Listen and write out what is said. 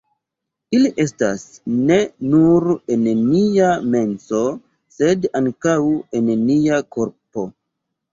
Ili estas ne nur en nia menso, sed ankaŭ en nia korpo.